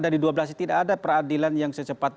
dari dua belas itu tidak ada peradilan yang secepat